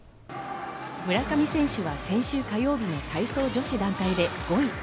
村上選手は先週火曜日に体操女子団体で５位。